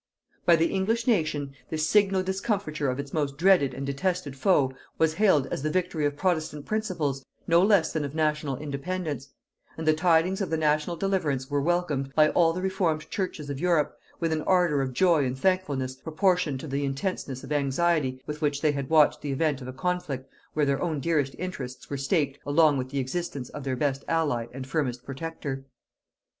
By the English nation, this signal discomfiture of its most dreaded and detested foe was hailed as the victory of protestant principles no less than of national independence; and the tidings of the national deliverance were welcomed, by all the reformed churches of Europe, with an ardor of joy and thankfulness proportioned to the intenseness of anxiety with which they had watched the event of a conflict where their own dearest interests were staked along with the existence of their best ally and firmest protector.